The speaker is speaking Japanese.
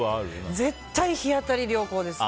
絶対日当たり良好です。